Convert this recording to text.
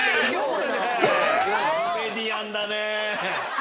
コメディアンだね！